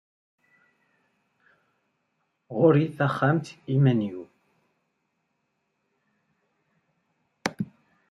Ɣur-i taxxamt i iman-iw.